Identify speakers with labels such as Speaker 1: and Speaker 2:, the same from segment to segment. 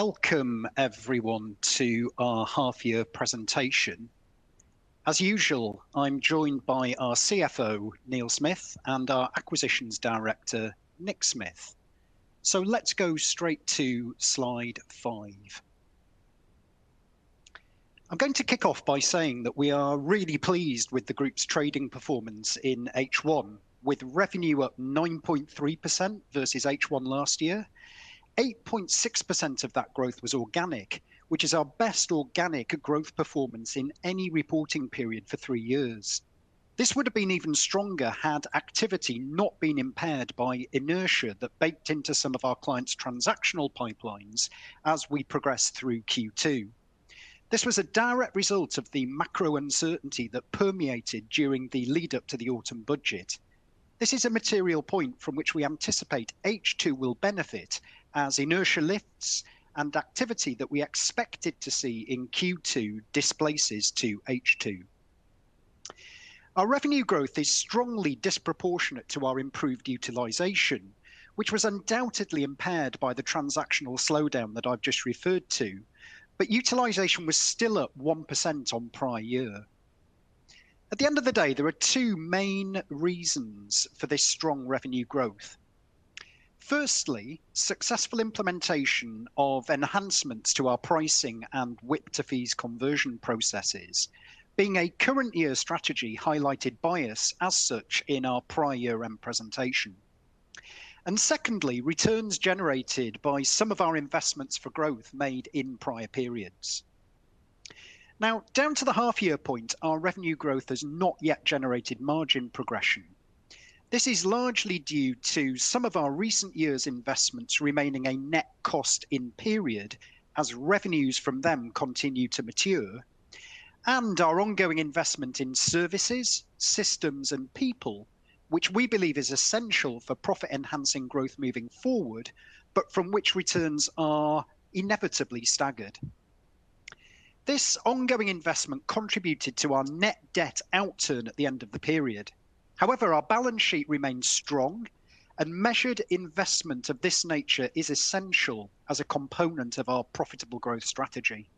Speaker 1: Welcome, everyone, to our half-year presentation. As usual, I'm joined by our CFO, Neil Smith, and our Acquisitions Director, Nick Smith. So let's go straight to slide five. I'm going to kick off by saying that we are really pleased with the group's trading performance in H1, with revenue up 9.3% versus H1 last year. 8.6% of that growth was organic, which is our best organic growth performance in any reporting period for three years. This would have been even stronger had activity not been impaired by inertia that baked into some of our clients' transactional pipelines as we progressed through Q2. This was a direct result of the macro uncertainty that permeated during the lead-up to the Autumn Budget. This is a material point from which we anticipate H2 will benefit as inertia lifts and activity that we expected to see in Q2 displaces to H2. Our revenue growth is strongly disproportionate to our improved utilization, which was undoubtedly impaired by the transactional slowdown that I've just referred to, but utilization was still up 1% on prior year. At the end of the day, there are two main reasons for this strong revenue growth. Firstly, successful implementation of enhancements to our pricing and WIP to fees conversion processes, being a current-year strategy highlighted by us as such in our prior year-end presentation, and secondly, returns generated by some of our investments for growth made in prior periods. Now, down to the half-year point, our revenue growth has not yet generated margin progression. This is largely due to some of our recent year's investments remaining a net cost in period as revenues from them continue to mature, and our ongoing investment in services, systems, and people, which we believe is essential for profit-enhancing growth moving forward, but from which returns are inevitably staggered. This ongoing investment contributed to our net debt outturn at the end of the period. However, our balance sheet remains strong, and measured investment of this nature is essential as a component of our profitable growth strategy.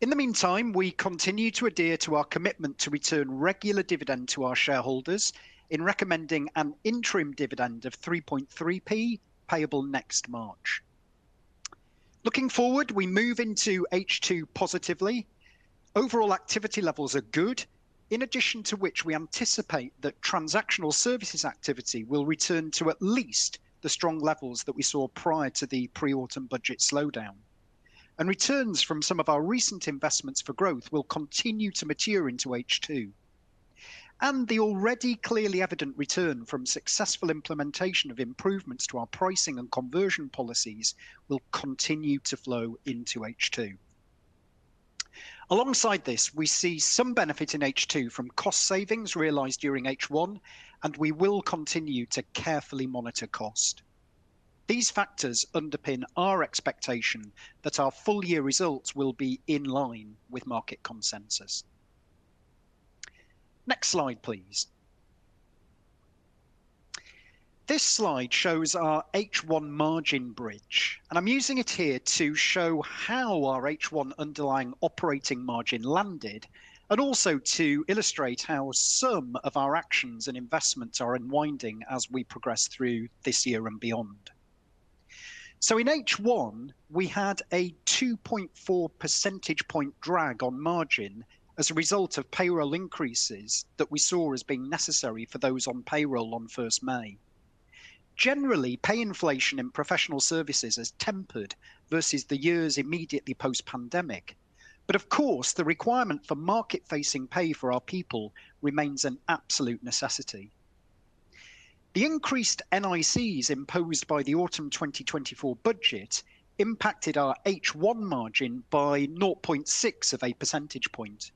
Speaker 1: In the meantime, we continue to adhere to our commitment to return regular dividend to our shareholders in recommending an interim dividend of 0.033, payable next March. Looking forward, we move into H2 positively. Overall activity levels are good, in addition to which we anticipate that transactional services activity will return to at least the strong levels that we saw prior to the pre-Autumn Budget slowdown. And returns from some of our recent investments for growth will continue to mature into H2. And the already clearly evident return from successful implementation of improvements to our pricing and conversion policies will continue to flow into H2. Alongside this, we see some benefit in H2 from cost savings realized during H1, and we will continue to carefully monitor cost. These factors underpin our expectation that our full-year results will be in line with market consensus. Next slide, please. This slide shows our H1 margin bridge, and I'm using it here to show how our H1 underlying operating margin landed and also to illustrate how some of our actions and investments are unwinding as we progress through this year and beyond. So in H1, we had a 2.4 percentage point drag on margin as a result of payroll increases that we saw as being necessary for those on payroll on 1st May. Generally, pay inflation in professional services has tempered versus the years immediately post-pandemic, but of course, the requirement for market-facing pay for our people remains an absolute necessity. The increased NICs imposed by the Autumn 2024 Budget impacted our H1 margin by 0.6 of a percentage point.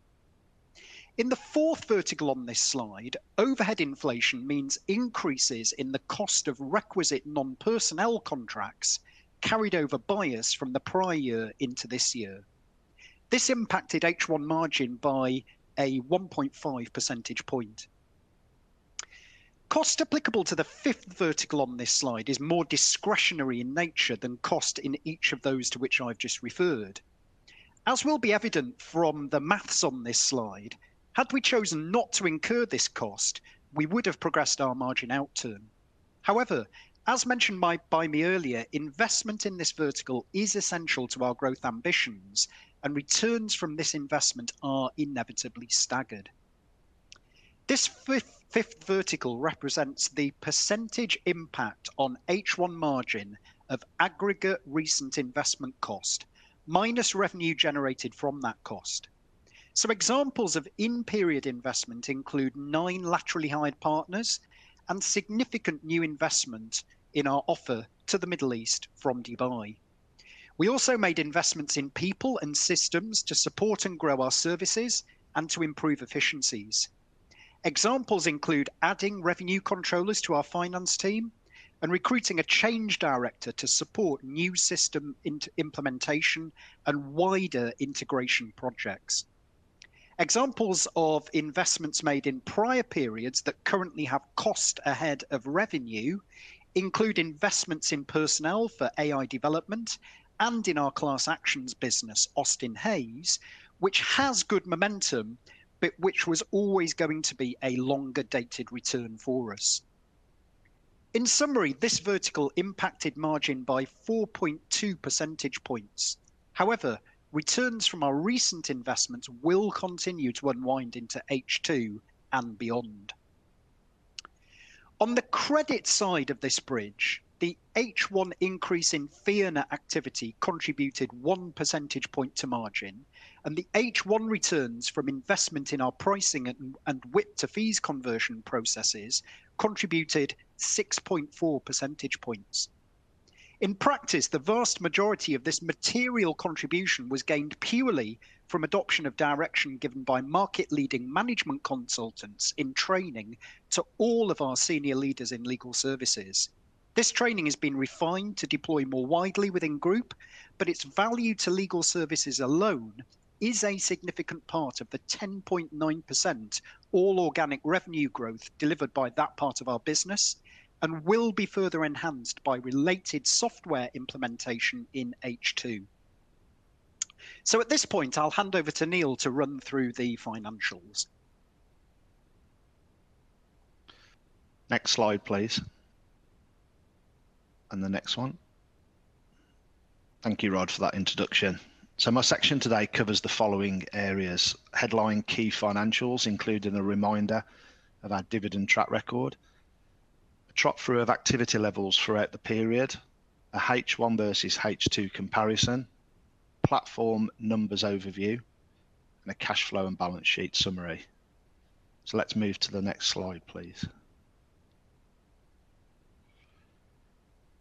Speaker 1: In the fourth vertical on this slide, overhead inflation means increases in the cost of requisite non-personnel contracts carried over basis from the prior year into this year. This impacted H1 margin by a 1.5 percentage point. Cost applicable to the fifth vertical on this slide is more discretionary in nature than cost in each of those to which I've just referred. As will be evident from the math on this slide, had we chosen not to incur this cost, we would have progressed our margin outturn. However, as mentioned by me earlier, investment in this vertical is essential to our growth ambitions, and returns from this investment are inevitably staggered. This fifth vertical represents the percentage impact on H1 margin of aggregate recent investment cost minus revenue generated from that cost. So examples of in-period investment include nine laterally hired partners and significant new investment in our offer to the Middle East from Dubai. We also made investments in people and systems to support and grow our services and to improve efficiencies. Examples include adding revenue controllers to our finance team and recruiting a change director to support new system implementation and wider integration projects. Examples of investments made in prior periods that currently have cost ahead of revenue include investments in personnel for AI development and in our class actions business, Austen Hays, which has good momentum, but which was always going to be a longer-dated return for us. In summary, this vertical impacted margin by 4.2 percentage points. However, returns from our recent investments will continue to unwind into H2 and beyond. On the credit side of this bridge, the H1 increase in FINA activity contributed one percentage point to margin, and the H1 returns from investment in our pricing and WIP to fees conversion processes contributed 6.4 percentage points. In practice, the vast majority of this material contribution was gained purely from adoption of direction given by market-leading management consultants in training to all of our senior leaders in legal services. This training has been refined to deploy more widely within group, but its value to legal services alone is a significant part of the 10.9% all organic revenue growth delivered by that part of our business and will be further enhanced by related software implementation in H2. So at this point, I'll hand over to Neil to run through the financials.
Speaker 2: Next slide, please. And the next one. Thank you, Rod, for that introduction. So my section today covers the following areas: headline key financials, including a reminder of our dividend track record, a walkthrough of activity levels throughout the period, a H1 versus H2 comparison, platform numbers overview, and a cash flow and balance sheet summary. So let's move to the next slide, please.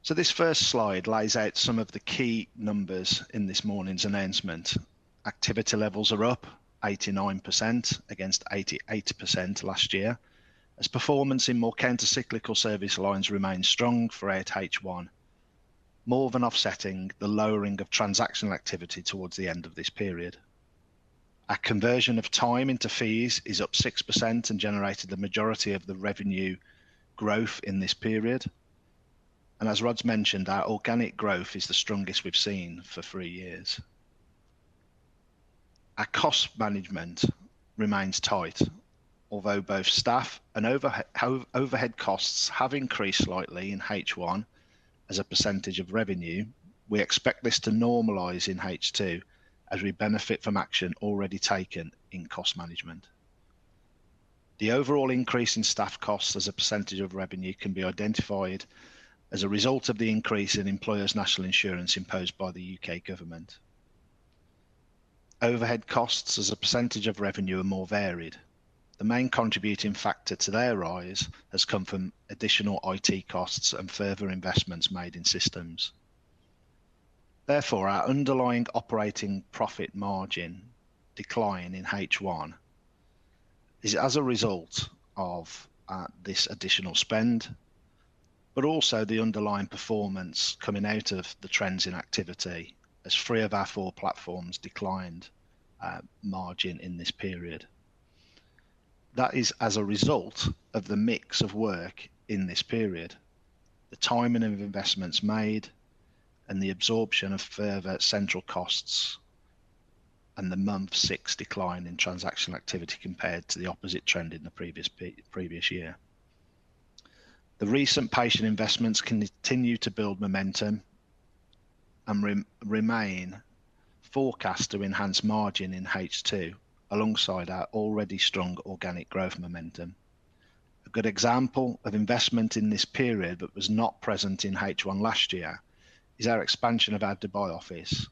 Speaker 2: So this first slide lays out some of the key numbers in this morning's announcement. Activity levels are up 89% against 88% last year, as performance in more countercyclical service lines remains strong throughout H1, more than offsetting the lowering of transactional activity towards the end of this period. Our conversion of time into fees is up 6% and generated the majority of the revenue growth in this period. And as Rod's mentioned, our organic growth is the strongest we've seen for three years. Our cost management remains tight, although both staff and overhead costs have increased slightly in H1 as a percentage of revenue. We expect this to normalize in H2 as we benefit from action already taken in cost management. The overall increase in staff costs as a percentage of revenue can be identified as a result of the increase in employers' National Insurance imposed by the UK government. Overhead costs as a percentage of revenue are more varied. The main contributing factor to their rise has come from additional IT costs and further investments made in systems. Therefore, our underlying operating profit margin declined in H1. This is as a result of this additional spend, but also the underlying performance coming out of the trends in activity as three of our four platforms declined margin in this period. That is as a result of the mix of work in this period, the timing of investments made, and the absorption of further central costs, and the month six decline in transactional activity compared to the opposite trend in the previous year. The recent patient investments continue to build momentum and remain forecast to enhance margin in H2 alongside our already strong organic growth momentum. A good example of investment in this period that was not present in H1 last year is our expansion of our Dubai office.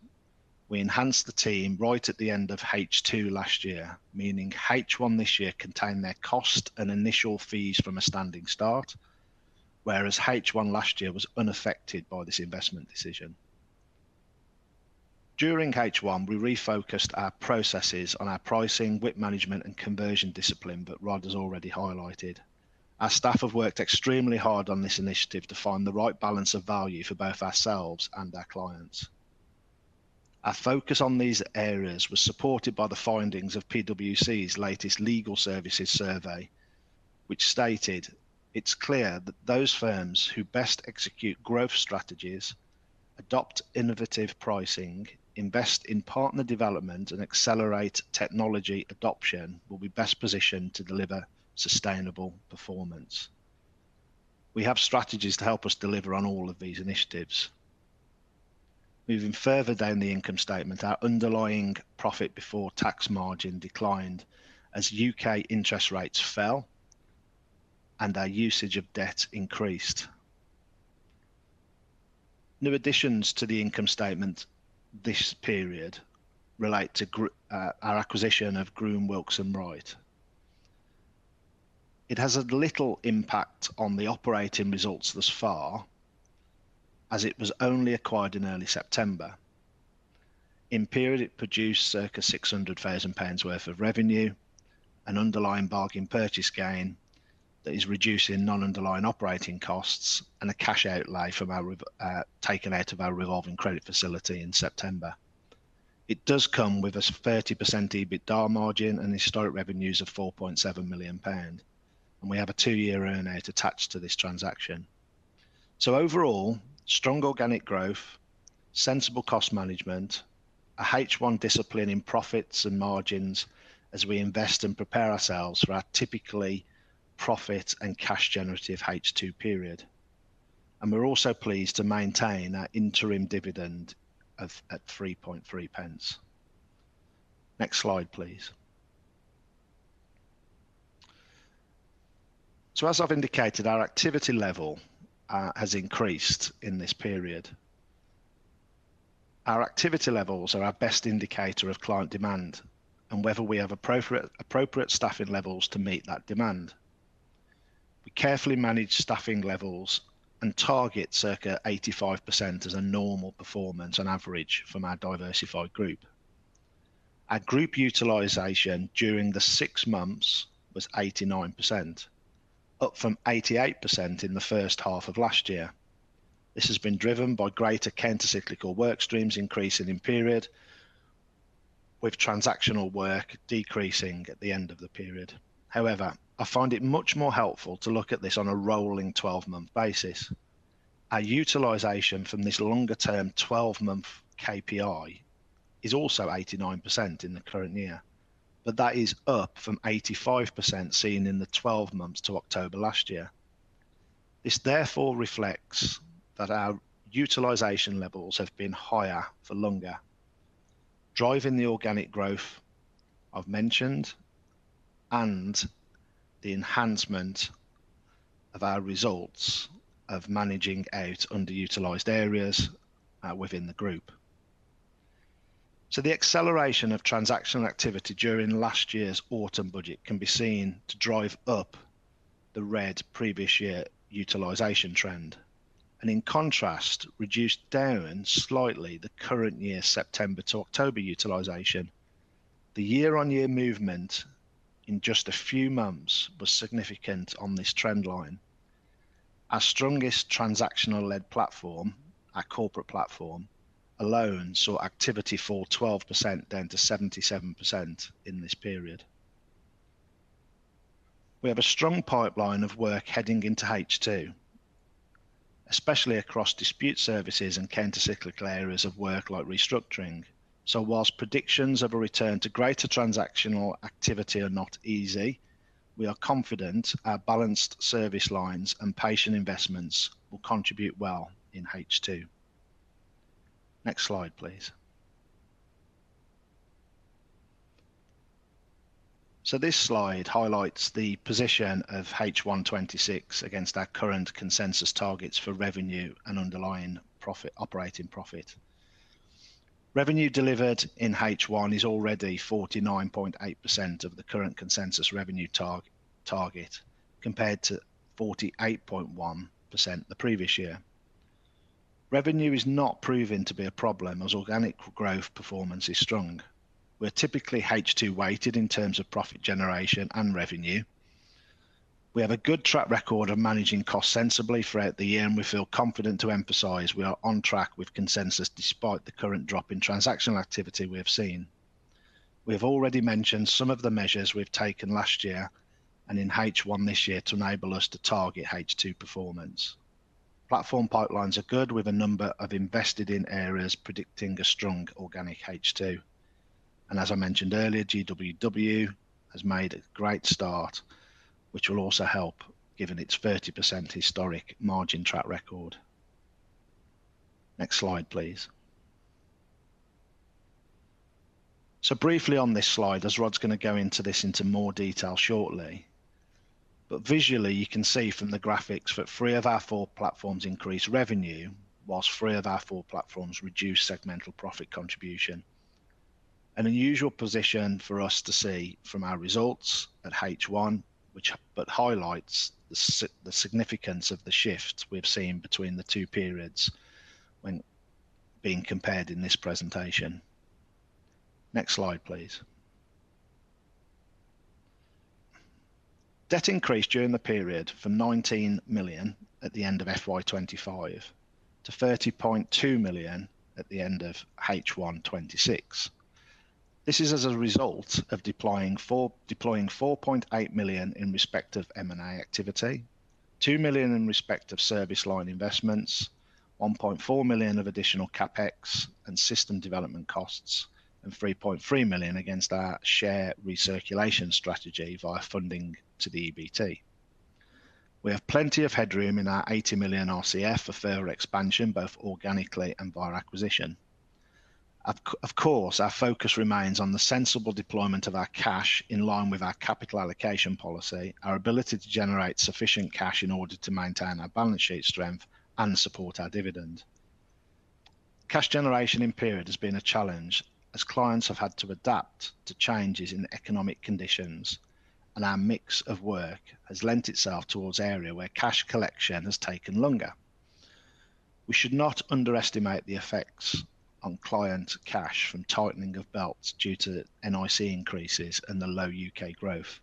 Speaker 2: We enhanced the team right at the end of H2 last year, meaning H1 this year contained their cost and initial fees from a standing start, whereas H1 last year was unaffected by this investment decision. During H1, we refocused our processes on our pricing, WIP management, and conversion discipline that Rod has already highlighted. Our staff have worked extremely hard on this initiative to find the right balance of value for both ourselves and our clients. Our focus on these areas was supported by the findings of PwC's latest legal services survey, which stated, "It's clear that those firms who best execute growth strategies, adopt innovative pricing, invest in partner development, and accelerate technology adoption will be best positioned to deliver sustainable performance." We have strategies to help us deliver on all of these initiatives. Moving further down the income statement, our underlying profit before tax margin declined as UK interest rates fell and our usage of debt increased. New additions to the income statement this period relate to our acquisition of Groom Wilkes & Wright. It has a little impact on the operating results thus far, as it was only acquired in early September. In period, it produced circa 600,000 pounds worth of revenue, an underlying bargain purchase gain that is reducing non-underlying operating costs, and a cash outlay taken out of our revolving credit facility in September. It does come with a 30% EBITDA margin and historic revenues of 4.7 million pound, and we have a two-year earn-out attached to this transaction. Overall, strong organic growth, sensible cost management, a H1 discipline in profits and margins as we invest and prepare ourselves for our typically profit and cash-generative H2 period. We're also pleased to maintain our interim dividend at 0.033. Next slide, please. As I've indicated, our activity level has increased in this period. Our activity levels are our best indicator of client demand and whether we have appropriate staffing levels to meet that demand. We carefully manage staffing levels and target circa 85% as a normal performance on average from our diversified group. Our group utilization during the six months was 89%, up from 88% in the first half of last year. This has been driven by greater countercyclical work streams increasing in period, with transactional work decreasing at the end of the period. However, I find it much more helpful to look at this on a rolling 12-month basis. Our utilization from this longer-term 12-month KPI is also 89% in the current year, but that is up from 85% seen in the 12 months to October last year. This therefore reflects that our utilization levels have been higher for longer, driving the organic growth I've mentioned and the enhancement of our results of managing out underutilized areas within the group. The acceleration of transactional activity during last year's Autumn Budget can be seen to drive up the red previous year utilization trend. In contrast, reduced down slightly the current year's September to October utilization. The year-on-year movement in just a few months was significant on this trend line. Our strongest transactional-led platform, our Corporate Platform alone, saw activity fall 12% down to 77% in this period. We have a strong pipeline of work heading into H2, especially across dispute services and countercyclical areas of work like restructuring. Whilst predictions of a return to greater transactional activity are not easy, we are confident our balanced service lines and patient investments will contribute well in H2. Next slide, please. This slide highlights the position of H1 2026 against our current consensus targets for revenue and underlying operating profit. Revenue delivered in H1 is already 49.8% of the current consensus revenue target compared to 48.1% the previous year. Revenue is not proven to be a problem as organic growth performance is strong. We're typically H2-weighted in terms of profit generation and revenue. We have a good track record of managing costs sensibly throughout the year, and we feel confident to emphasize we are on track with consensus despite the current drop in transactional activity we have seen. We have already mentioned some of the measures we've taken last year and in H1 this year to enable us to target H2 performance. Platform pipelines are good, with a number of invested-in areas predicting a strong organic H2, and as I mentioned earlier, GWW has made a great start, which will also help given its 30% historic margin track record. Next slide, please. Briefly on this slide, as Rod's going to go into this more detail shortly, but visually you can see from the graphics that three of our four platforms increase revenue while three of our four platforms reduce segmental profit contribution. An unusual position for us to see from our results at H1, which highlights the significance of the shift we've seen between the two periods being compared in this presentation. Next slide, please. Debt increased during the period from 19 million at the end of FY 2025 to 30.2 million at the end of H1 2026. This is as a result of deploying 4.8 million in respect of M&A activity, 2 million in respect of service line investments, 1.4 million of additional CapEx and system development costs, and 3.3 million against our share recirculation strategy via funding to the EBT. We have plenty of headroom in our 80 million RCF for further expansion, both organically and via acquisition. Of course, our focus remains on the sensible deployment of our cash in line with our capital allocation policy, our ability to generate sufficient cash in order to maintain our balance sheet strength and support our dividend. Cash generation in period has been a challenge as clients have had to adapt to changes in economic conditions, and our mix of work has lent itself towards areas where cash collection has taken longer. We should not underestimate the effects on client cash from tightening of belts due to NIC increases and the low U.K. growth.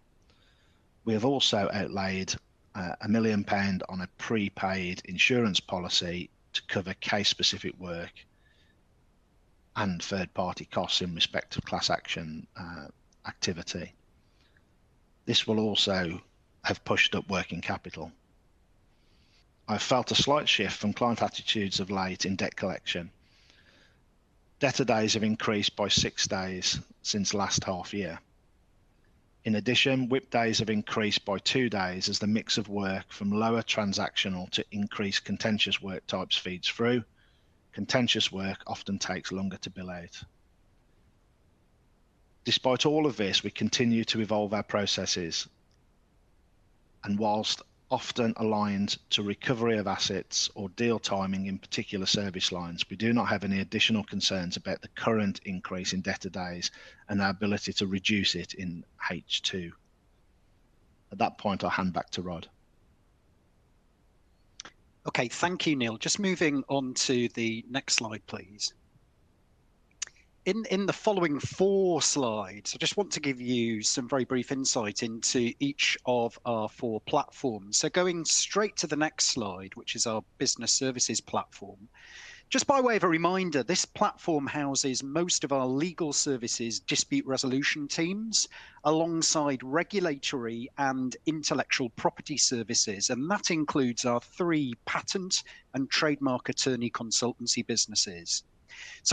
Speaker 2: We have also outlaid a million pounds on a prepaid insurance policy to cover case-specific work and third-party costs in respect of class action activity. This will also have pushed up working capital. I've felt a slight shift from client attitudes of late in debt collection. Debtor days have increased by six days since last half year. In addition, WIP days have increased by two days as the mix of work from lower transactional to increased contentious work types feeds through. Contentious work often takes longer to be billed. Despite all of this, we continue to evolve our processes. While often aligned to recovery of assets or deal timing in particular service lines, we do not have any additional concerns about the current increase in debtor days and our ability to reduce it in H2. At that point, I'll hand back to Rod.
Speaker 1: Okay, thank you, Neil. Just moving on to the next slide, please. In the following four slides, I just want to give you some very brief insight into each of our four platforms. Going straight to the next slide, which is our Business Services Platform. Just by way of a reminder, this platform houses most of our legal services dispute resolution teams alongside regulatory and intellectual property services, and that includes our three patent and trademark attorney consultancy businesses.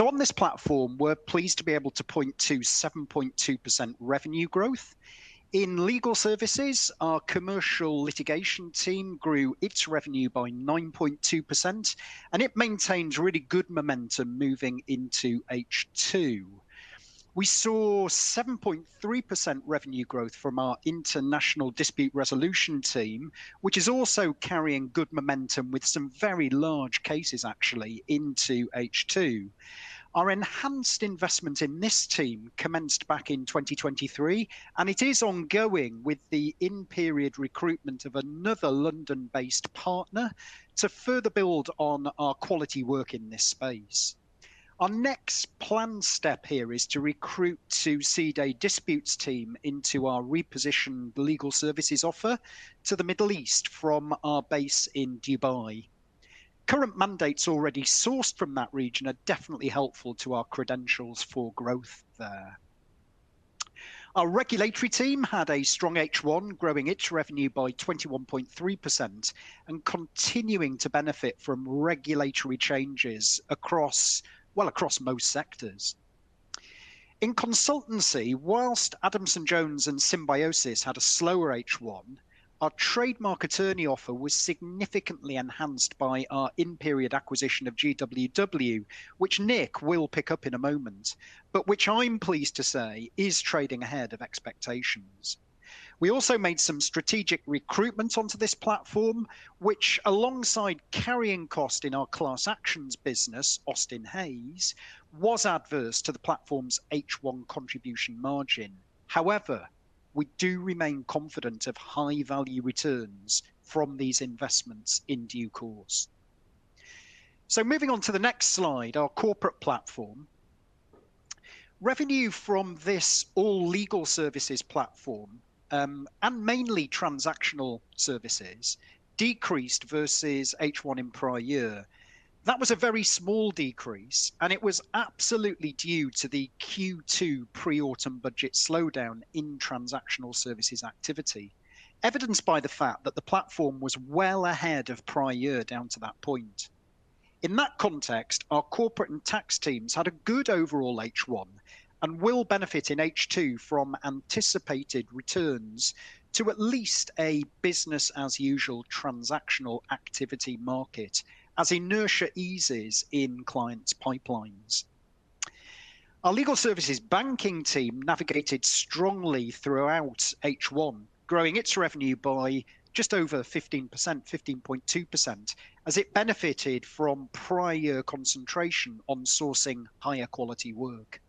Speaker 1: On this platform, we're pleased to be able to point to 7.2% revenue growth. In legal services, our commercial litigation team grew its revenue by 9.2%, and it maintained really good momentum moving into H2. We saw 7.3% revenue growth from our international dispute resolution team, which is also carrying good momentum with some very large cases actually into H2. Our enhanced investment in this team commenced back in 2023, and it is ongoing with the in-period recruitment of another London-based partner to further build on our quality work in this space. Our next planned step here is to recruit a dispute team into our repositioned legal services offer to the Middle East from our base in Dubai. Current mandates already sourced from that region are definitely helpful to our credentials for growth there. Our regulatory team had a strong H1, growing its revenue by 21.3% and continuing to benefit from regulatory changes across most sectors. In consultancy, while Adamson Jones and Symbiosis had a slower H1, our trademark attorney offer was significantly enhanced by our in-period acquisition of GWW, which Nick will pick up in a moment, but which I'm pleased to say is trading ahead of expectations. We also made some strategic recruitment onto this platform, which alongside carrying cost in our class actions business, Austen Hays, was adverse to the platform's H1 contribution margin. However, we do remain confident of high-value returns from these investments in due course. So moving on to the next slide, our Corporate Platform. Revenue from this all legal services platform and mainly transactional services decreased versus H1 in prior year. That was a very small decrease, and it was absolutely due to the Q2 pre-Autumn Budget slowdown in transactional services activity, evidenced by the fact that the platform was well ahead of prior year down to that point. In that context, our corporate and tax teams had a good overall H1 and will benefit in H2 from anticipated returns to at least a business-as-usual transactional activity market as inertia eases in clients' pipelines. Our legal services banking team navigated strongly throughout H1, growing its revenue by just over 15%, 15.2%, as it benefited from prior year concentration on sourcing higher quality work.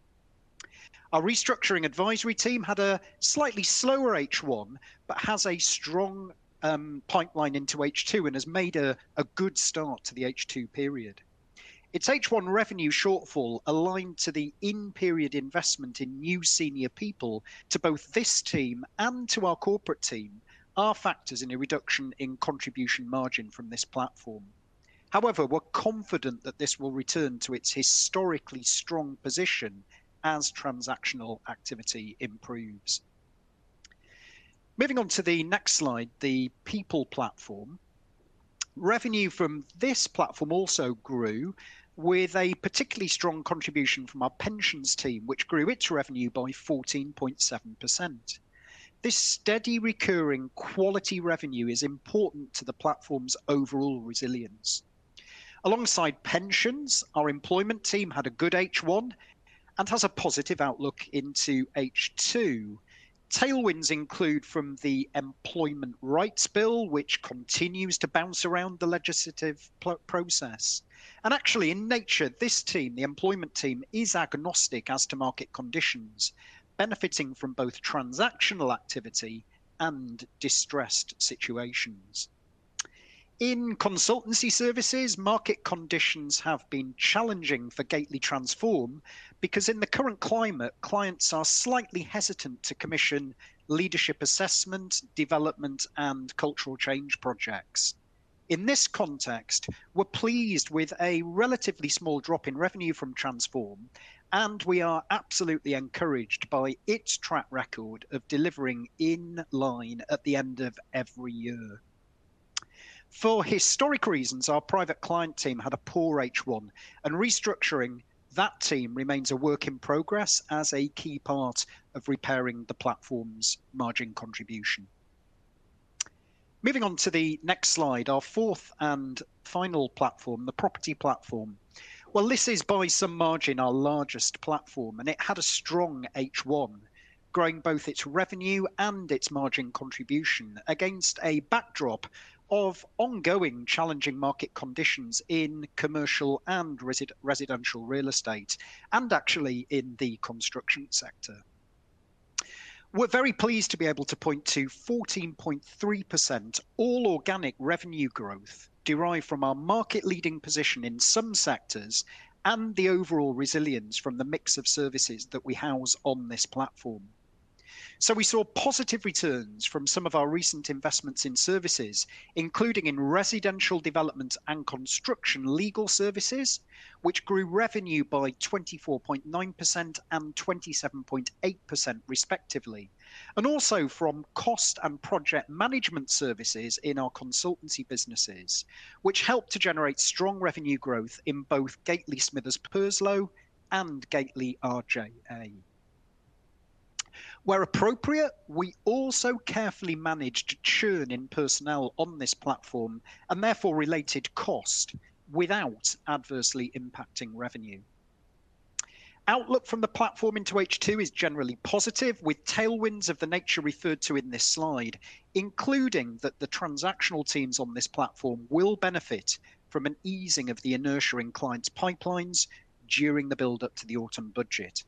Speaker 1: Our restructuring advisory team had a slightly slower H1 but has a strong pipeline into H2 and has made a good start to the H2 period. Its H1 revenue shortfall aligned to the in-period investment in new senior people to both this team and to our corporate team, are factors in a reduction in contribution margin from this platform. However, we're confident that this will return to its historically strong position as transactional activity improves. Moving on to the next slide, the People Platform. Revenue from this platform also grew with a particularly strong contribution from our pensions team, which grew its revenue by 14.7%. This steady recurring quality revenue is important to the platform's overall resilience. Alongside pensions, our employment team had a good H1 and has a positive outlook into H2. Tailwinds include from the Employment Rights Bill, which continues to bounce around the legislative process. Actually, in nature, this team, the employment team, is agnostic as to market conditions, benefiting from both transactional activity and distressed situations. In consultancy services, market conditions have been challenging for Gateley Transform because in the current climate, clients are slightly hesitant to commission leadership assessment, development, and cultural change projects. In this context, we're pleased with a relatively small drop in revenue from Transform, and we are absolutely encouraged by its track record of delivering in line at the end of every year. For historic reasons, our private client team had a poor H1, and restructuring that team remains a work in progress as a key part of repairing the platform's margin contribution. Moving on to the next slide, our fourth and final platform, the property platform. This is by some margin our largest platform, and it had a strong H1, growing both its revenue and its margin contribution against a backdrop of ongoing challenging market conditions in commercial and residential real estate and actually in the construction sector. We're very pleased to be able to point to 14.3% all organic revenue growth derived from our market-leading position in some sectors and the overall resilience from the mix of services that we house on this platform. So we saw positive returns from some of our recent investments in services, including in residential development and construction legal services, which grew revenue by 24.9% and 27.8% respectively, and also from cost and project management services in our consultancy businesses, which helped to generate strong revenue growth in both Gateley Smithers Purslow and Gateley RJA. Where appropriate, we also carefully managed churn in personnel on this platform and therefore related cost without adversely impacting revenue. Outlook from the platform into H2 is generally positive, with tailwinds of the nature referred to in this slide, including that the transactional teams on this platform will benefit from an easing of the inertia in clients' pipelines during the build-up to the Autumn Budget.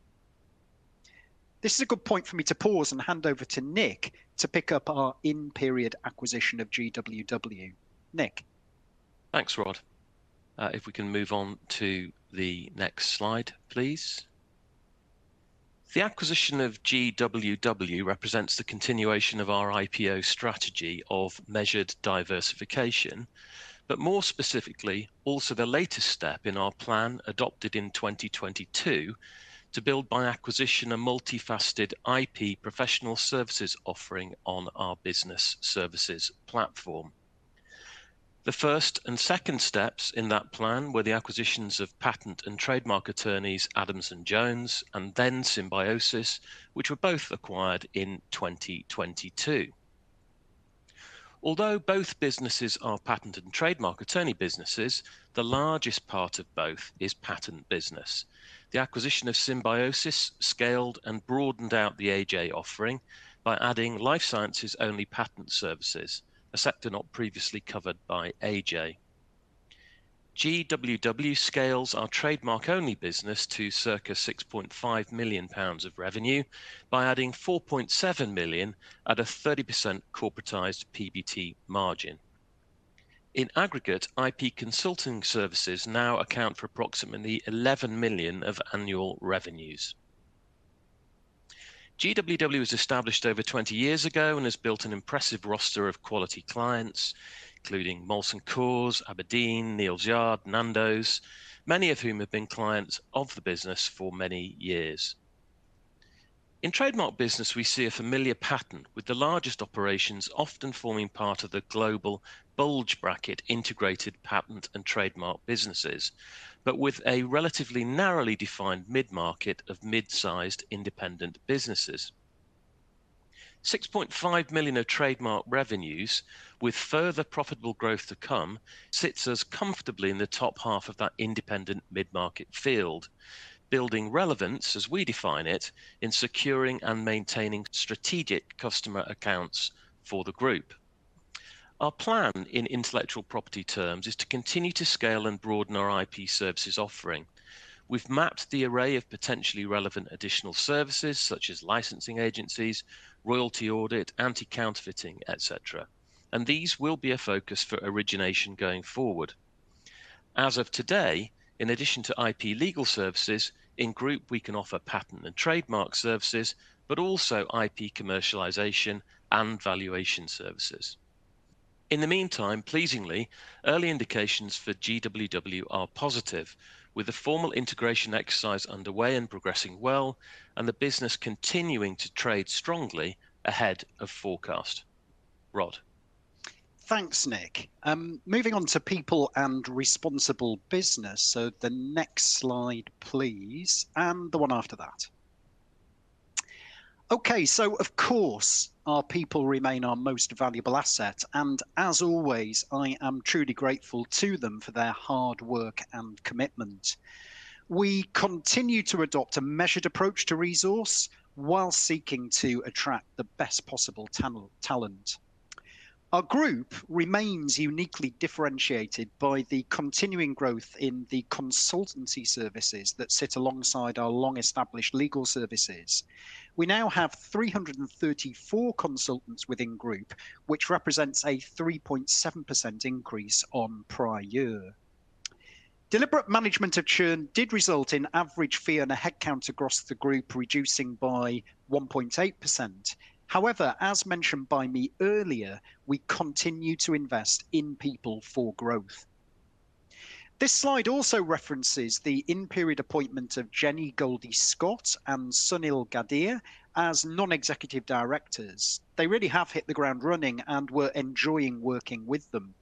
Speaker 1: This is a good point for me to pause and hand over to Nick to pick up our in-period acquisition of GWW. Nick.
Speaker 2: Thanks, Rod. If we can move on to the next slide, please. The acquisition of GWW represents the continuation of our IPO strategy of measured diversification, but more specifically, also the latest step in our plan adopted in 2022 to build by acquisition a multifaceted IP professional services offering on our business services platform. The first and second steps in that plan were the acquisitions of patent and trademark attorneys Adamson Jones and then Symbiosis, which were both acquired in 2022. Although both businesses are patent and trademark attorney businesses, the largest part of both is patent business. The acquisition of Symbiosis scaled and broadened out the AJ offering by adding life sciences-only patent services, a sector not previously covered by AJ. GWW scales our trademark-only business to circa £6.5 million of revenue by adding £4.7 million at a 30% corporatized PBT margin. In aggregate, IP consulting services now account for approximately £11 million of annual revenues. GWW was established over 20 years ago and has built an impressive roster of quality clients, including Molson Coors, abrdn, Neal's Yard, Nando's, many of whom have been clients of the business for many years. In trademark business, we see a familiar pattern with the largest operations often forming part of the global bulge bracket integrated patent and trademark businesses, but with a relatively narrowly defined mid-market of mid-sized independent businesses. 6.5 million of trademark revenues, with further profitable growth to come, sits us comfortably in the top half of that independent mid-market field, building relevance, as we define it, in securing and maintaining strategic customer accounts for the group. Our plan in intellectual property terms is to continue to scale and broaden our IP services offering. We've mapped the array of potentially relevant additional services such as licensing agencies, royalty audit, anti-counterfeiting, etc., and these will be a focus for origination going forward. As of today, in addition to IP legal services, in group, we can offer patent and trademark services, but also IP commercialization and valuation services. In the meantime, pleasingly, early indications for GWW are positive, with a formal integration exercise underway and progressing well, and the business continuing to trade strongly ahead of forecast. Rod.
Speaker 1: Thanks, Nick. Moving on to people and responsible business. So the next slide, please, and the one after that. Okay, so of course, our people remain our most valuable asset, and as always, I am truly grateful to them for their hard work and commitment. We continue to adopt a measured approach to resource while seeking to attract the best possible talent. Our group remains uniquely differentiated by the continuing growth in the consultancy services that sit alongside our long-established legal services. We now have 334 consultants within group, which represents a 3.7% increase on prior year. Deliberate management of churn did result in average fee and a headcount across the group reducing by 1.8%. However, as mentioned by me earlier, we continue to invest in people for growth. This slide also references the in-period appointment of Jenny Goldie-Scot and Sunil Gadhia as non-executive directors. They really have hit the ground running and we're enjoying working with them.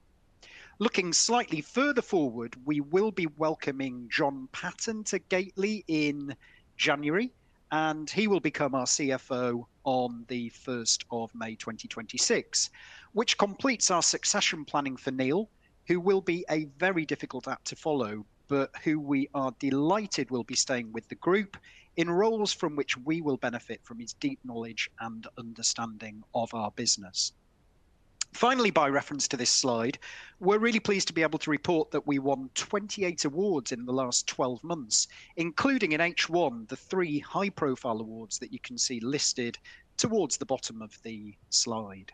Speaker 1: Looking slightly further forward, we will be welcoming John Paton to Gateley in January, and he will become our CFO on the 1st of May 2026, which completes our succession planning for Neil, who will be a very difficult act to follow, but who we are delighted will be staying with the group in roles from which we will benefit from his deep knowledge and understanding of our business. Finally, by reference to this slide, we're really pleased to be able to report that we won 28 awards in the last 12 months, including in H1, the three high-profile awards that you can see listed towards the bottom of the slide.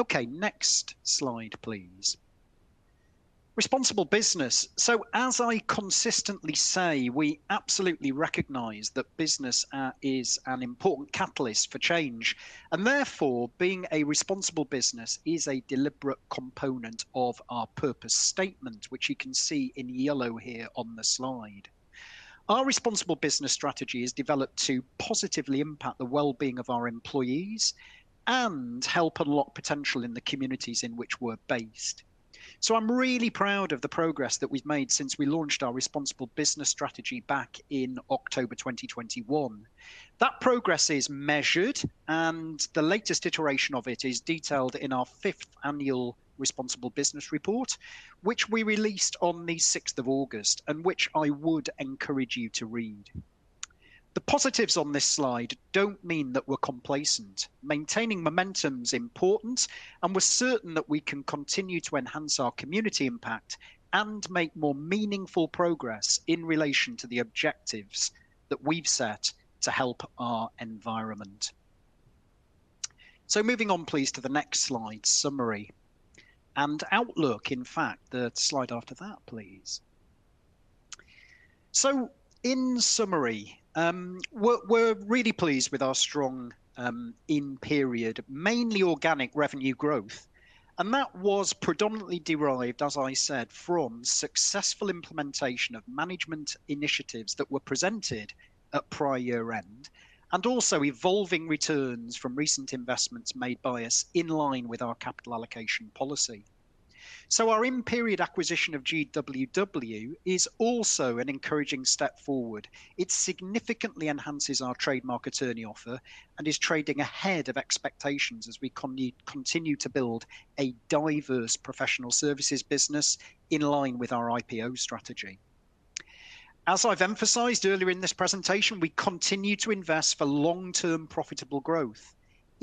Speaker 1: Okay, next slide, please. Responsible business. So as I consistently say, we absolutely recognize that business is an important catalyst for change, and therefore, being a responsible business is a deliberate component of our purpose statement, which you can see in yellow here on the slide. Our responsible business strategy is developed to positively impact the well-being of our employees and help unlock potential in the communities in which we're based. So I'm really proud of the progress that we've made since we launched our responsible business strategy back in October 2021. That progress is measured, and the latest iteration of it is detailed in our fifth annual responsible business report, which we released on the 6th of August and which I would encourage you to read. The positives on this slide don't mean that we're complacent. Maintaining momentum is important, and we're certain that we can continue to enhance our community impact and make more meaningful progress in relation to the objectives that we've set to help our environment, so moving on, please, to the next slide, summary and outlook. In fact, the slide after that, please, so in summary, we're really pleased with our strong in-period, mainly organic revenue growth, and that was predominantly derived, as I said, from successful implementation of management initiatives that were presented at prior year-end and also evolving returns from recent investments made by us in line with our capital allocation policy. So our in-period acquisition of GWW is also an encouraging step forward. It significantly enhances our trademark attorney offer and is trading ahead of expectations as we continue to build a diverse professional services business in line with our IPO strategy. As I've emphasized earlier in this presentation, we continue to invest for long-term profitable growth.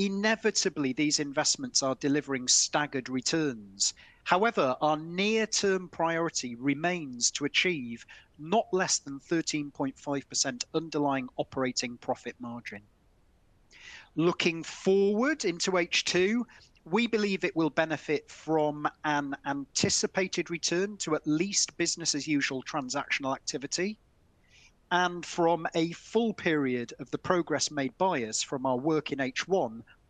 Speaker 1: Inevitably, these investments are delivering staggered returns. However, our near-term priority remains to achieve not less than 13.5% underlying operating profit margin. Looking forward into H2, we believe it will benefit from an anticipated return to at least business-as-usual transactional activity and from a full period of the progress made by us from our work in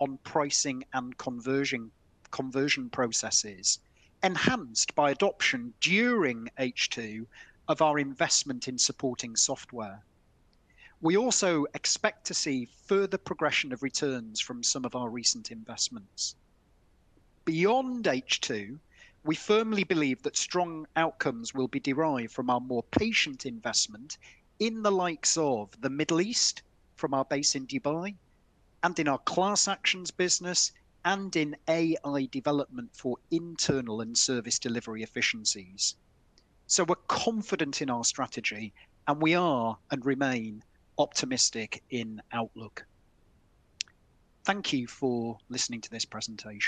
Speaker 1: H1 on pricing and conversion processes enhanced by adoption during H2 of our investment in supporting software. We also expect to see further progression of returns from some of our recent investments. Beyond H2, we firmly believe that strong outcomes will be derived from our more patient investment in the likes of the Middle East from our base in Dubai and in our class actions business and in AI development for internal and service delivery efficiencies. So we're confident in our strategy, and we are and remain optimistic in outlook. Thank you for listening to this presentation.